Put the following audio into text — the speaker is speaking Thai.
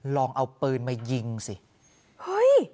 ลองเอาปืนมายิงสิเฮ้ย